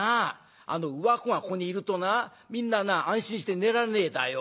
あのウワ公がここにいるとなみんなな安心して寝られねえだよ。